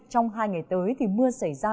trong hai ngày tới thì mưa xảy ra